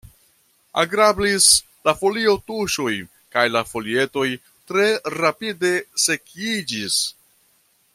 Agrablis la folio-tuŝoj kaj la folietoj tre rapide sekiĝis.